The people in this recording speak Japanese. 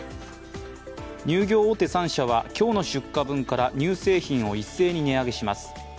乳業大手３社は今日の出荷分から乳製品を一斉に値上げします。